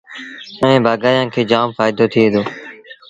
ائيٚݩ بآگآيآݩ کي جآم ڦآئيدو ٿئي دو۔